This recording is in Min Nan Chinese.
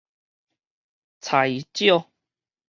裁少